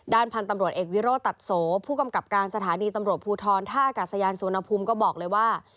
พันธุ์ตำรวจเอกวิโรตัดโสผู้กำกับการสถานีตำรวจภูทรท่าอากาศยานสุวรรณภูมิก็บอกเลยว่า